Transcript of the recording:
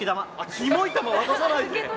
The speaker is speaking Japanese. キモい玉渡さないで！